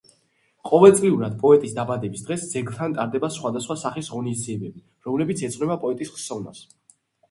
ყოველწლიურად პოეტის დაბადების დღეს ძეგლთან ტარდება სხვადასხვა სახის ღონისძიებები, რომლებიც ეძღვნება პოეტის ხსოვნას.